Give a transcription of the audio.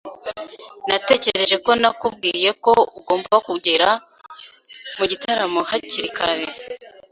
Natekereje ko nakubwiye ko ugomba kugera mu gitaramo hakiri kare.